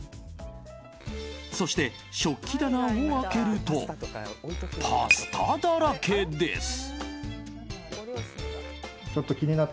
そして、食器棚を開けるとパスタだらけです。